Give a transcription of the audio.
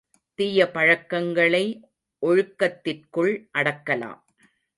தீய பழக்கங்களை ஒழுக்கத்திற்குள் அடக்கலாம்.